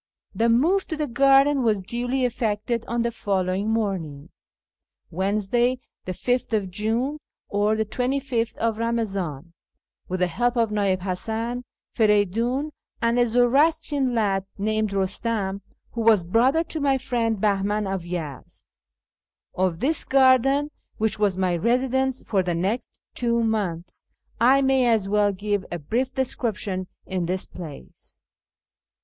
The move to the garden was duly effected on the follow ing morning (Wednesday, 5th June, Eamazan 25th) with the help of Ni'i'ib Hasan, Feridiin, and a Zoroastrian lad named Eustam, who was brother to my friend Bahman of Yezd. Of this garden, which was my residence for the next two months, I may as well give a brief description in this place.